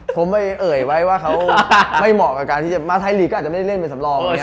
ผมไปเอ่ยไว้ว่าเขาไม่เหมาะกับการที่จะมาไทยลีกก็อาจจะไม่ได้เล่นเป็นสำรอง